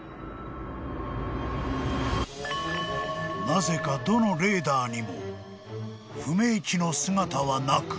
［なぜかどのレーダーにも不明機の姿はなく］